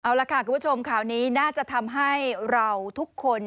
เอาละค่ะคุณผู้ชมข่าวนี้น่าจะทำให้เราทุกคน